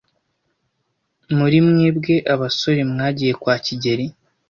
Muri mwebwe abasore mwagiye kwa kigeli?